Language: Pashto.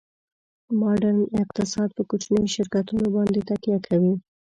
ماډرن اقتصاد په کوچنیو شرکتونو باندې تکیه کوي